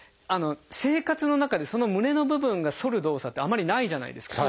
生活の中でその胸の部分が反る動作ってあまりないじゃないですか。